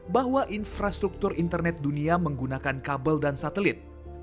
bahwa infrastruktur internet dunia menggunakan kabel dan satelit